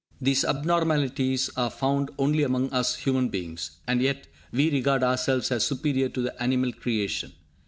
These abnormalities are found only among us human beings, and yet we regard ourselves as superior to the animal creation!